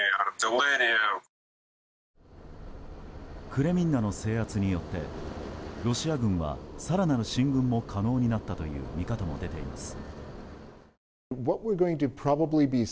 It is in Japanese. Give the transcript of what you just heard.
クレミンナの制圧によってロシア軍は更なる進軍も可能になったという見方も出ています。